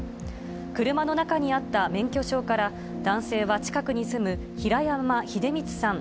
車の中にあった免許証から、男性は近くに住む平山日出光さん